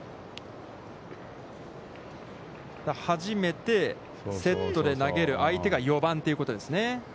初めてセットで投げる、相手が４番ということですね。